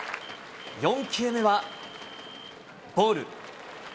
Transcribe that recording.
４球目はボール。